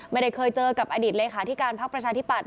ไม่เคยเจอกับอดีตเลขาธิการพักประชาธิปัตย